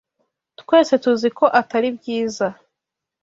Twese tuzi ko atari byiza.